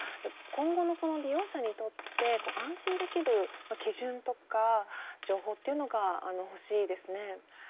今後の利用者にとって安心できる基準とか情報というのが欲しいですね。